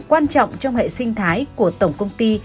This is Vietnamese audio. quan trọng trong hệ sinh thái của tổng công ty